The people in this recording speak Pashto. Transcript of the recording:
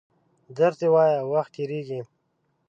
درس دي وایه وخت تېرېږي!